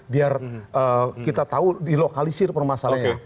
biar kita tahu dilokalisir permasalahannya